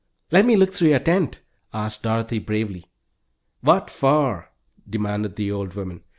"Let me look through your tent?" asked Dorothy, bravely. "What for?" demanded the old woman.